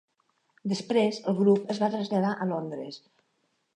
Després, el grup es va traslladar a Londres.